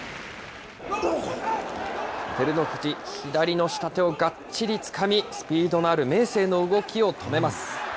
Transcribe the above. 照ノ富士、左の下手をがっちりつかみ、スピードのある明生の動きを止めます。